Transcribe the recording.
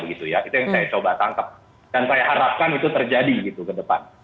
itu yang saya coba tangkap dan saya harapkan itu terjadi gitu ke depan